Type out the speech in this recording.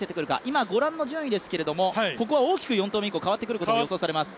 今、ご覧の順位ですけど、ここは大きく４投目以降、変わってくることも予想されます。